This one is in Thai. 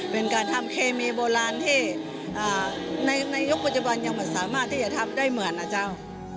เป็นการทำเคมีโบราณที่ในยุคปัจจุบันยังมันสามารถที่จะทำได้เหมือนนะเจ้า